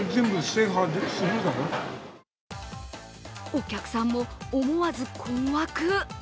お客さんも思わず困惑。